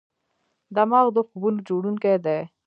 دماغ د خوبونو جوړونکی دی.